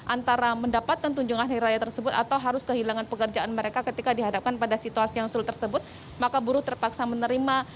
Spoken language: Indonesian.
antara mendapatkan tunjangan hari raya tersebut atau harus kehilangan pekerjaan mereka ketika dihadapkan pada situasi yang sulit tersebut maka buruh terpaksa menerima